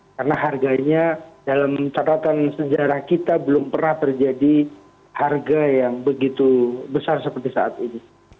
karena harganya dalam catatan sejarah kita belum pernah terjadi harga yang begitu besar seperti saat ini